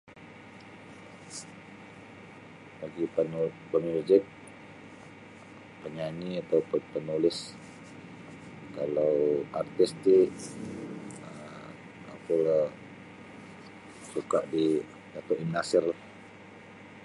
Bagi' pamu pamuzik panyanyi atau pun panulis kalau artis ti um oku suka' di Datuk iM Nasir.